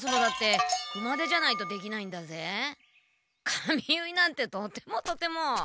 髪結いなんてとてもとても。